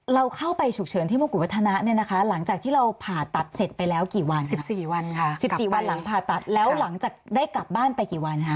เราเข้าไปฉุกเฉินที่มงกุฎวัฒนะเนี่ยนะคะหลังจากที่เราผ่าตัดเสร็จไปแล้วกี่วัน๑๔วันค่ะ๑๔วันหลังผ่าตัดแล้วหลังจากได้กลับบ้านไปกี่วันคะ